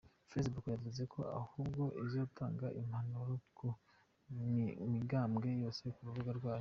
Facebook yavuze ko ahubwo izotanga impanuro ku migambwe yose ku rubuga rwayo.